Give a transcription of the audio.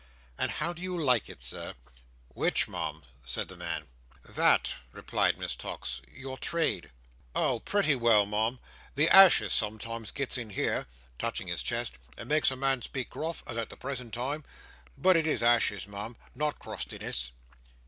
"And how do you like it, Sir?" "Which, Mum?" said the man. "That," replied Miss Tox. "Your trade." "Oh! Pretty well, Mum. The ashes sometimes gets in here;" touching his chest: "and makes a man speak gruff, as at the present time. But it is ashes, Mum, not crustiness."